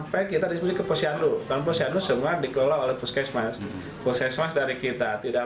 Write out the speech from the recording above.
vaksin palsu yang beredar di wilayah tasik malaya